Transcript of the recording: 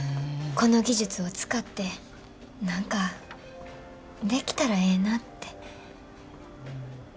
この技術を使って何かできたらええなって。